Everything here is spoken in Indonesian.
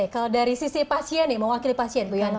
kalau dari sisi pasien mau wakili pasien bu yanti